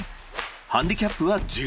ハンディキャップは１０。